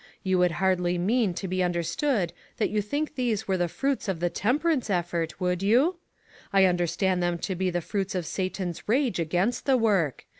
You would hardly mean to be understood that you think these were the fruits of the temperance effort, would you? I understand them to be the fruits of Satan's rage against the work.